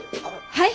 はい！？